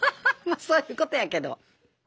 まあそういうことやけど。